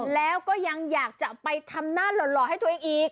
แล้วก็ยังอยากจะไปทำหน้าหล่อให้ตัวเองอีก